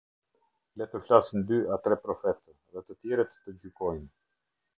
Le të flasin dy a tre profetë, dhe të tjerët të gjykojnë.